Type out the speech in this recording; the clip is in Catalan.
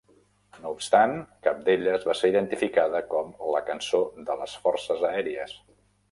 No obstant, cap d'elles va ser identificada com "la cançó de les Forces Aèries".